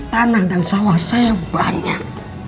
tanah dan sawah saya banyak